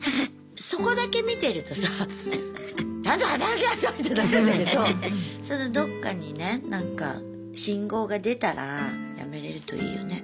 そこだけ見てるとさちゃんと働きなさい！ってなるんだけどそのどっかにねなんか信号が出たら辞めれるといいよね。